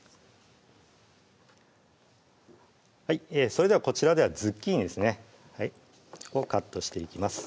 それではこちらではズッキーニですねをカットしていきます